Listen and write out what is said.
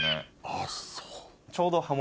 あっそう。